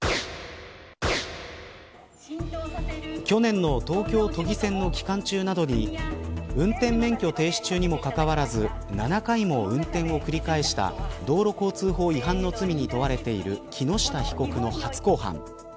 去年の東京都議選の期間中などに運転免許停止中にもかかわらず７回も運転を繰り返した道交法違反の罪に問われている木下被告の初公判。